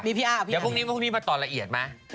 เดี๋ยวพวกนี้มาต่อละเอียดไหม